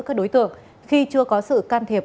các đối tượng khi chưa có sự can thiệp